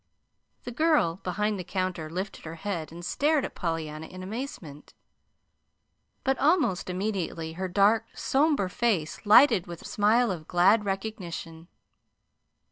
The girl behind the counter lifted her head and stared at Pollyanna in amazement. But almost immediately her dark, somber face lighted with a smile of glad recognition.